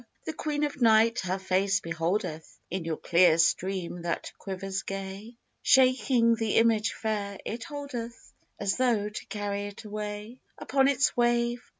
The Queen of Night her face beholdeth In yon clear stream, that quivers gay. Shaking the image fair it holdeth As tho' to carry it away Upon its wave.